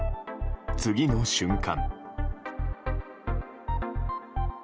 次の瞬間。